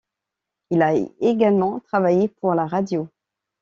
Il a également travaillé pour la radio.